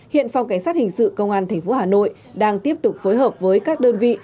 hiện phòng cảnh sát hình sự công an tp hà nội đang tiếp tục phối hợp với các đơn vị